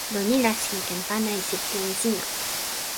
lon ni la sina ken pana e sitelen sina.